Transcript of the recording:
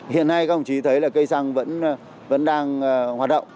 hiện nay các ông chí thấy là cây xăng vẫn đang hoạt động